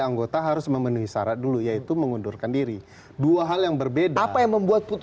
anggota harus memenuhi syarat dulu yaitu mengundurkan diri dua hal yang berbeda apa yang membuat